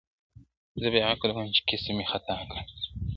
زه بې عقل وم چی کسب می خطا کړ !.